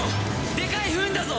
でかいフンだぞ！